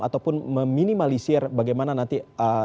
ataupun meminimalisir bagaimana nanti